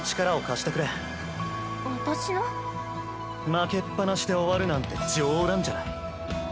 負けっぱなしで終わるなんて冗談じゃない。